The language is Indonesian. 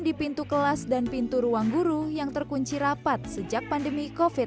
di pintu kelas dan pintu ruang guru yang terkunci rapat sejak pandemi covid sembilan belas